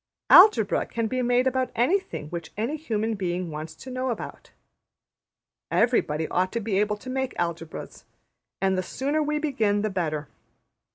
Algebra can be made about anything which any human being wants to know about. Everybody ought to be able to make Algebras; and the sooner we begin the better.